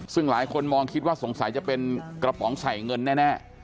ซึ่งหลายคนมองคิดว่าสงสัยจะเป็นกระป๋องใส่เงินแน่